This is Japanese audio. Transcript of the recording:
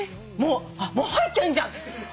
もう入ってんじゃん！